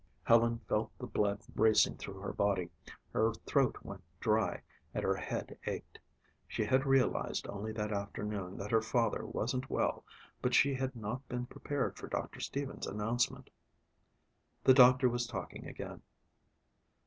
Helen felt the blood racing through her body. Her throat went dry and her head ached. She had realized only that afternoon that her father wasn't well but she had not been prepared for Doctor Stevens' announcement. The doctor was talking again.